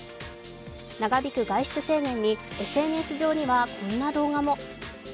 長引く外出制限にＳＮＳ上にはこんな動画も。